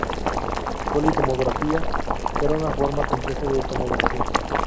Poli-tomografía: era una forma compleja de tomografía.